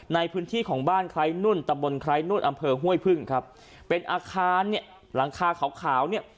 ในพื้นที่ของบ้านใครนุ่นตะบนไคร้นุ่นอำเภอห้วยพึ่งครับเป็นอาคารเนี่ยหลังคาขาวขาวเนี่ย